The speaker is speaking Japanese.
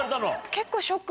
結構。